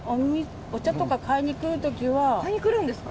買いに来るんですか？